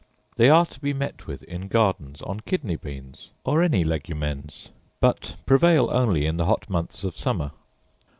They are to to be met with in gardens on kidney beans, or any legumens; but prevail only in the hot months of summer.